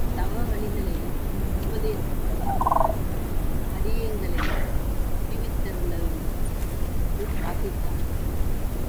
தவவழிகளை உபதேசித்து அடியேங்களை உய்வித்தருள வேண்டும் என்று பிரார்த்தித்தான்.